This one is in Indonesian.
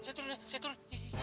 saya turun saya turun